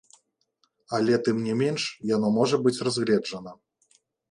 Але, тым не менш, яно можа быць разгледжана.